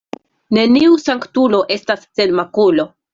Neniu sanktulo estas sen makulo.